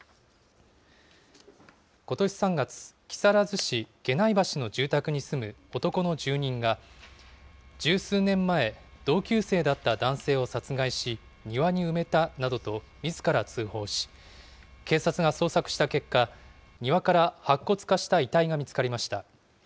ことし３月、木更津市下内橋の住宅に住む男の住人が、十数年前、同級生だった男性を殺害し、庭に埋めたなどとみずから通報し、警察が捜索した結果、庭から白骨化した遺体が見つかりました。